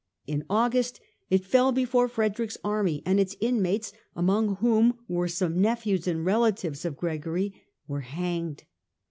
In August it fell before Frederick's army, and its inmates, among whom were some nephews and rela tives of Gregory, were hanged.